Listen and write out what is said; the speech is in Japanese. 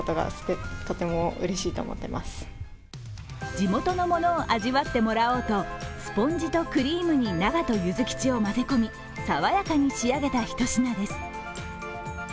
地元のものを味わってもらおうとスポンジとクリームに長門ゆずきちを混ぜ込みさわやかに仕上げた一品です。